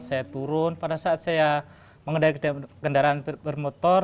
saya turun pada saat saya mengendari kendaraan bermotor